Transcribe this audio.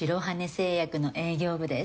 製薬の営業部です。